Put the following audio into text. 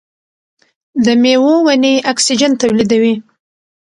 د میوو ونې اکسیجن تولیدوي.